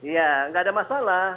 ya gak ada masalah